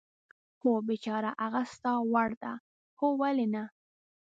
هو، بېچاره، هغه ستا وړ ده؟ هو، ولې نه.